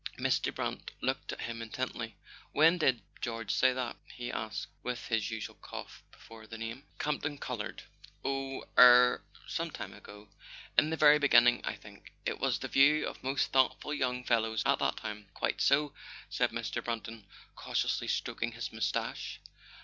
Mr. Brant looked at him intently. "When did— George say that ?" he asked, with his usual cough be¬ fore the name. [ 207 ] A SON AT THE FRONT Campton coloured. "Oh—er—some time ago: in the very beginning, I think. It was the view of most thoughtful young fellows at that time. ,, "Quite so," said Mr. Brant, cautiously stroking his moustache.